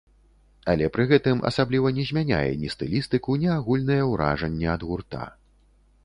Але пры гэтым асабліва не змяняе ні стылістыку, ні агульнае ўражанне ад гурта.